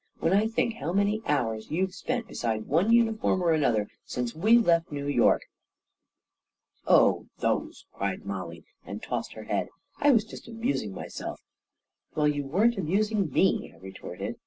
When I think how many hours you've spent be side one uniform or another since we left New York ..."•" Oh, those !" cried Mollie, and tossed her head. " I was just amusing myself !" 44 Well, you weren't amusing me I " I retorted.